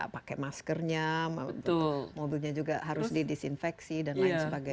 pakai maskernya mobilnya juga harus didisinfeksi dan lain sebagainya